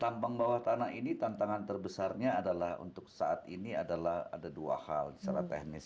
tambang bawah tanah ini tantangan terbesarnya adalah untuk saat ini adalah ada dua hal secara teknis